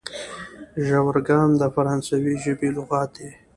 ژورګان د فرانسوي ژبي لغات دئ.